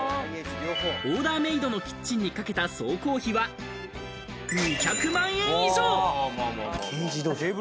オーダーメイドのキッチンにかけた総工費は２００万円以上。